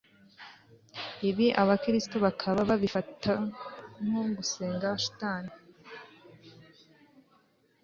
ibi abakristu bakaba babifata nko gusenga shitani